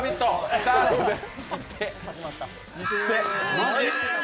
スタートです。